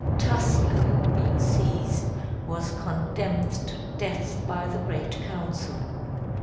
Tassilo, being seized, was condemned to death by the great council.